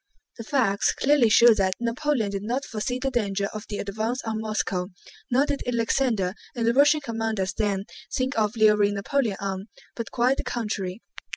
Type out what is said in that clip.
The facts clearly show that Napoleon did not foresee the danger of the advance on Moscow, nor did Alexander and the Russian commanders then think of luring Napoleon on, but quite the contrary.